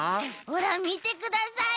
ほらみてください！